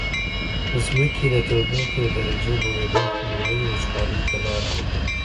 د ځمکي د تودوخي د درجي لوړیدل خونړیو وچکالیو ته لاره هواروي.